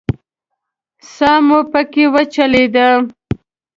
ساه مو پکې وچلېده.